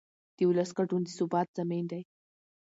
د ولس ګډون د ثبات ضامن دی